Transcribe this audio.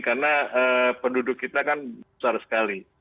karena penduduk kita kan besar sekali